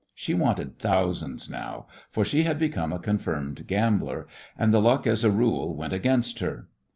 She wanted thousands now, for she had become a confirmed gambler, and the luck as a rule went against her.